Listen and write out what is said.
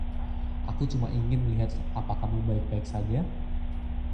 Aku cuma ingin melihat apa kamu baik-baik saja.